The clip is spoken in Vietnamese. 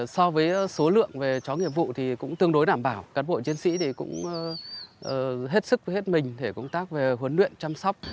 so với số lượng về chó nghiệp vụ thì cũng tương đối đảm bảo cán bộ chiến sĩ cũng hết sức hết mình để công tác về huấn luyện chăm sóc